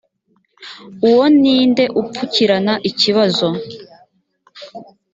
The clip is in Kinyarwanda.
uwo ni nde upfukirana ikibazo